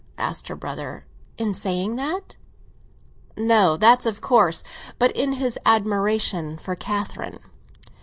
asked her brother. "In saying that?" "No; that's of course. But in his admiration for Catherine?"